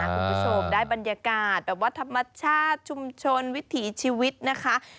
คุณผู้ชมได้บรรยากาศแบบว่าธรรมชาติชุมชนวิถีชีวิตนะคะ